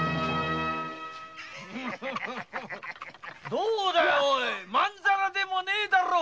どうだいまんざらでもねえだろう。